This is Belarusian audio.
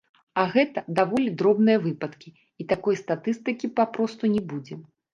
А гэта даволі дробныя выпадкі, і такой статыстыкі папросту не будзе.